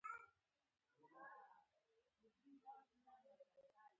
لمر ورځ روښانه کوي.